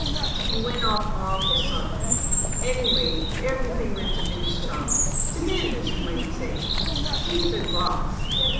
He went off awful sudden. Anyway, everything went to Min's child to Min as ye might say. She's been boss.